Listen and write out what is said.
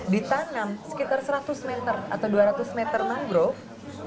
ditanam sekitar seratus meter atau dua ratus meter mangrove